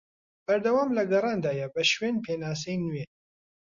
بەردەوام لە گەڕاندایە بە شوێن پێناسەی نوێ